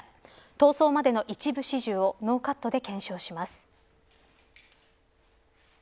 逃走までの一部始終をノーカットで検証します。